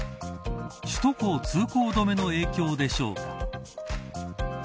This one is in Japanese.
首都高通行止めの影響でしょうか。